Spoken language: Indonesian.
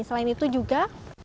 selain itu juga